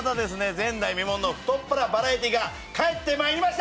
前代未聞の太っ腹バラエティーが帰って参りました！